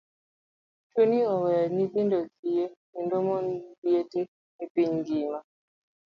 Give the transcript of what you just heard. Tuoni oweyo nyithindo kiye kendo mond liete e piny ngima.